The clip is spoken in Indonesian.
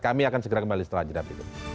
kami akan segera kembali setelah ajadah